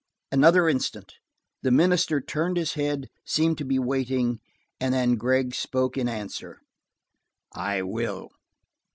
Another instant; the minister turned his head, seemed to be waiting, and then Gregg spoke in answer: "I will!"